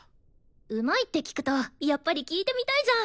うまいって聞くとやっぱり聴いてみたいじゃん。